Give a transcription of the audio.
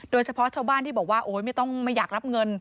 โดยเฉพาะชาวบ้านที่บอกว่าโอ๊ยไม่ต้องไม่อยากรับเงิน